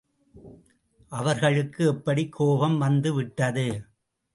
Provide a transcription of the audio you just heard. அவர்களுக்கு எப்படிக் கோபம் வந்து விட்டது!